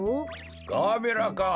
ガーベラか。